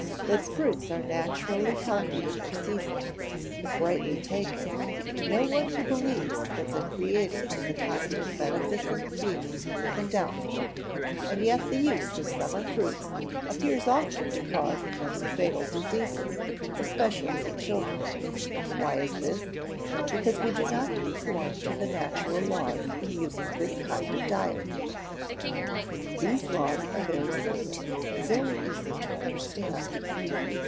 That fruits are naturally healthy in their season, if rightly taken, no one who believes that the Creator is a kind and beneficent Being can doubt. And yet the use of summer fruits appears often to cause most fatal diseases, especially in children. Why is this? Because we do not conform to the natural laws in using this kind of diet. These laws are very simple, and easy to understand.